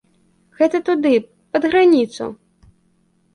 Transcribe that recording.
Гэта туды, пад граніцу.